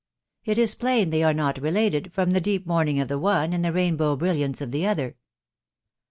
.•. It is plain they are not related, from the deep mourning of the one and the rainbow brilliance tf the other."